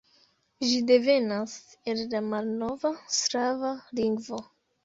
Ĝi devenas el la malnova slava lingvo.